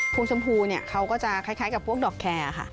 วงชมพูเนี่ยเขาก็จะคล้ายกับพวกดอกแคร์ค่ะ